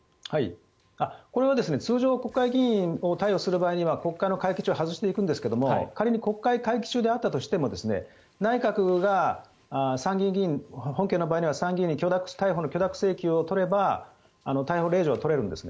これは通常国会議員を逮捕する場合には国会の会期中は外していくんですが仮に国会会期中であったとしても内閣が参議院議員、本件の場合は参議院に許諾請求を取れば逮捕令状を取れるんですね。